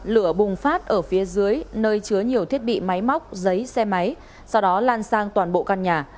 lửa bùng phát ở phía dưới nơi chứa nhiều thiết bị máy móc giấy xe máy sau đó lan sang toàn bộ căn nhà